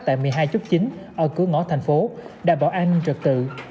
tại một mươi hai chốt chính ở cửa ngõ thành phố đảm bảo an ninh trật tự